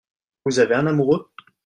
Vous avez un amoureux ?